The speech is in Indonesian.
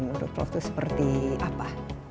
menurut prof itu seperti apa